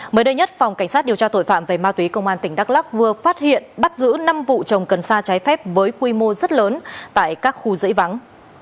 mới đây nhất phòng cảnh sát điều tra tội phạm về ma túy công an tỉnh đắk lắc vừa phát hiện bắt giữ năm vụ trồng cần sa trái phép với quy mô rất lớn tại các khu dãy vắng